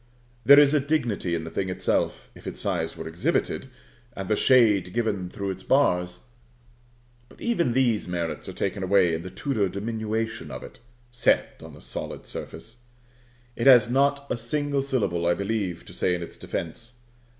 There is a dignity in the thing itself, if its size were exhibited, and the shade given through its bars; but even these merits are taken away in the Tudor diminution of it, set on a solid surface. It has not a single syllable, I believe, to say in its defence.